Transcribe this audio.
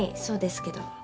そうですけど。